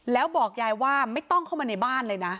แล้วบอกยายว่าไม่ต้องเข้ามาในบ้านเลยนะ